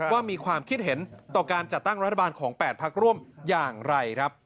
ว่ามีความคิดเห็นต่อการจัดตั้งรัฐบาลของ๘พักร่วมอย่างไรครับ